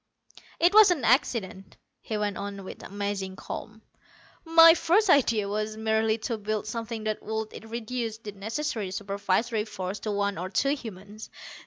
"It was an accident," he went on with amazing calm. "My first idea was merely to build something that would reduce the necessary supervisory force to one or two humans.